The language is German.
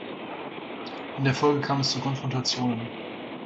In der Folge kam es zu Konfrontationen.